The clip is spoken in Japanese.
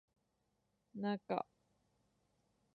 なか